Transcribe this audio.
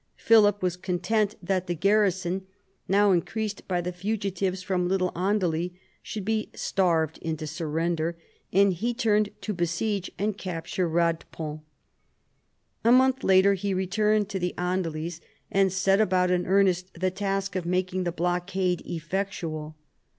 Philip was content that the garrison, now increased by the fugitives from Little Andely, should be starved into surrender, and he turned to besiege and capture Eadepont. A month later he returned to the Andelys, and set about in earnest the task of making the blockade effectual.